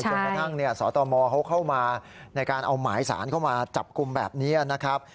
กระทั่งสตมเขาเข้ามาในการเอาหมายสารเข้ามาจับกลุ่มแบบนี้นะครับ